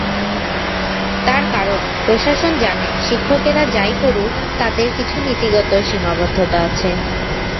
তার কারণ, প্রশাসন জানে শিক্ষকেরা যাই করুক তাঁদের কিছু নীতিগত সীমাবদ্ধতা আছে।